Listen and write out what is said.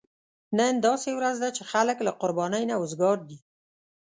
نن داسې ورځ ده چې خلک له قربانۍ نه وزګار دي.